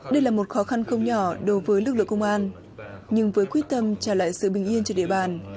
đây là một khó khăn không nhỏ đối với lực lượng công an nhưng với quyết tâm trả lại sự bình yên cho địa bàn